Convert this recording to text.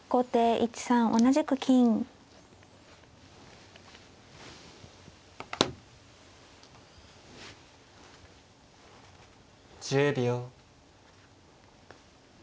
１０秒。